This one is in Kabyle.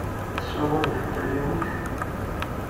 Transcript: Tessawaleḍ taṭalyanit?